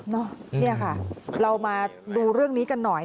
นี่ค่ะเรามาดูเรื่องนี้กันหน่อย